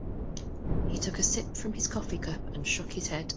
He took a sip from his coffee cup and shook his head.